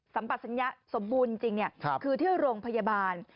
สัมผัสสัญญะสมบูรณ์จริงคือที่โรงพยาบาล